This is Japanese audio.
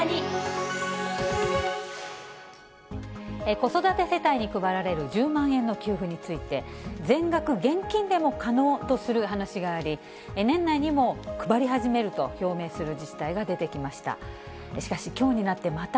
子育て世帯に配られる１０万円の給付について、全額現金でも可能とする話があり、年内にも配り始めると表明する自治体が出てきました。